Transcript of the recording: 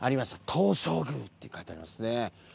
「東照宮」って書いてありますね。